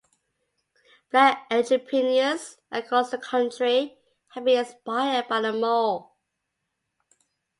Black entrepreneurs across the country have been inspired by the mall.